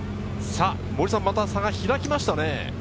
また差が開きましたね。